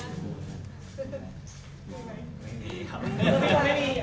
ไม่มีอะไรเซอร์ไพรส์เหรอครับ